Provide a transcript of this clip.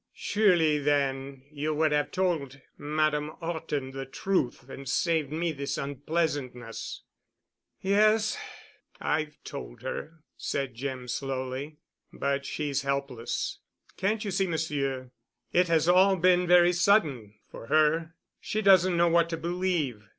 "Surely then you would have told Madame Horton the truth and saved me this unpleasantness——" "Yes—I've told her," said Jim slowly, "but she's helpless. Can't you see, Monsieur? It has all been very sudden—for her. She doesn't know what to believe.